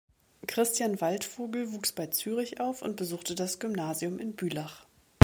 Christian Waldvogel wuchs bei Zürich auf und besuchte das Gymnasium in Bülach.